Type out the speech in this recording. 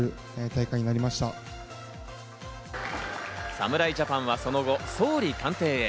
侍ジャパンはその後、総理官邸へ。